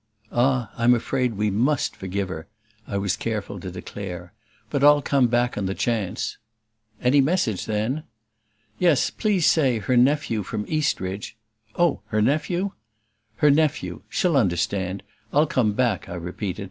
"Ah, I'm afraid we MUST forgive her!" I was careful to declare. "But I'll come back on the chance." "Any message then?" "Yes, please say her nephew from Eastridge !" "Oh, her nephew !" "Her nephew. She'll understand. I'll come back," I repeated.